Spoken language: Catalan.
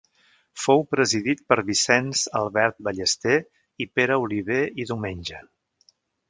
Fou presidit per Vicenç Albert Ballester i Pere Oliver i Domenge.